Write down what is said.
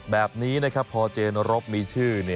แบบนี้นะครับพอเจนรบมีชื่อ